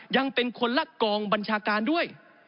ยังเป็นคนละกองบัญชาการด้วย